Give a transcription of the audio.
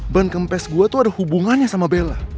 ban kempes gue tuh ada hubungannya sama bella